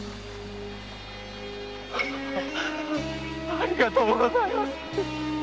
ありがとうございます